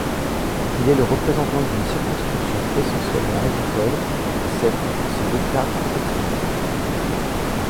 Il est le représentant d'une circonscription essentiellement agricole cet se déclare protectionniste.